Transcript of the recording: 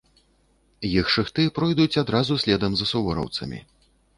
Іх шыхты пройдуць адразу следам за сувораўцамі.